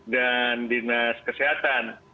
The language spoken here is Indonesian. dan dinas kesehatan